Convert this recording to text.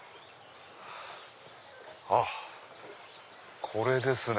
あっこれですね。